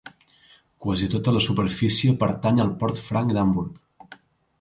Quasi tota la superfície pertany al port franc d'Hamburg.